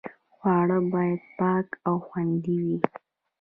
خواړه باید پاک او خوندي وي.